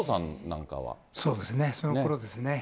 そうですね、その頃ですね。